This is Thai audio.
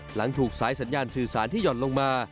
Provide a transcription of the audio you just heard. หลังถูกสายสัญญาณสื่อสารที่หย่อนลงมา